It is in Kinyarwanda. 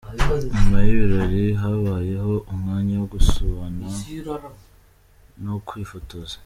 Nyuma y'ibirori habayeho umwanya wo gusabana no kwifotoza.